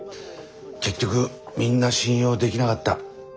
結局みんな信用できなかった。